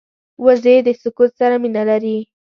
وزې د سکوت سره مینه لري